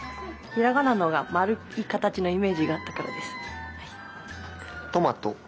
ひらがなのほうがまるいかたちのイメージがあったからです。